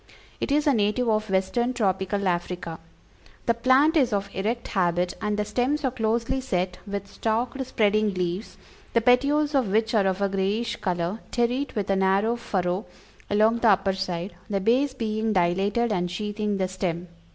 It is a native of Western Tropical Africa. The plant is of erect habit, and the stems are closely set with stalked spreading leaves, the petioles of which are of a grayish color, terete with a narrow furrow along the upper side, the base being dilated and sheathing the stem.